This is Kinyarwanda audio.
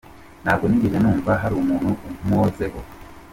Ntabwo nigeze numva hari umuntu unkozeho.